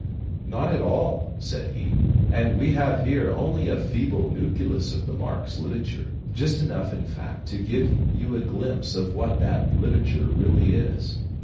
"Not at all," said he; "and we have here only a feeble nucleus of the Marx literature just enough, in fact, to give you a glimpse of what that literature really is.